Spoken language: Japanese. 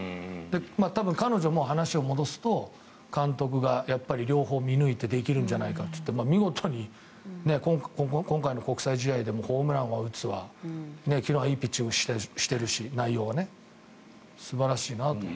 多分、彼女も話を戻すと監督がやっぱり両方できるのではと見抜いて見事に今回の国際試合でもホームランは打つわ昨日はいい内容のピッチングをしているし素晴らしいなと。